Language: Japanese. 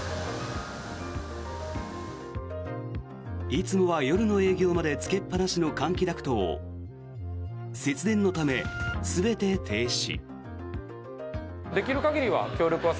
いつもは夜の営業までつけっぱなしの換気ダクトを節電のため、全て停止。